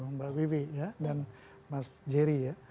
mbak vivi dan mas jerry ya